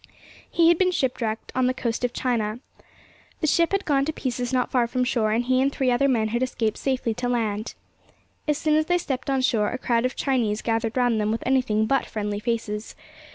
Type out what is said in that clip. He had been shipwrecked on the coast of China. The ship had gone to pieces not far from shore, and he and three other men had escaped safely to land. As soon as they stepped on shore, a crowd of Chinese gathered round them with anything but friendly faces.